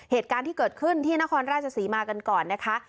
เหตุการณ์ที่เกิดขึ้นที่นครราชศรีมากันก่อนนะคะ